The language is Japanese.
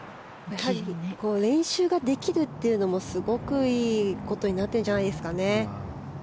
練習ができるというのもすごくいいことになってるんじゃないですかね。